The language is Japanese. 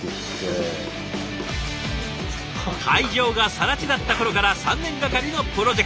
会場がさら地だった頃から３年がかりのプロジェクト。